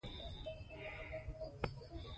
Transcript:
د چاپیریال ککړتیا د نویو او خطرناکو ناروغیو سرچینه ده.